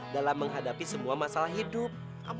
dalam menghadapi semua masalah hidup